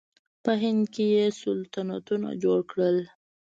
په هند کې یې سلطنتونه جوړ کړل.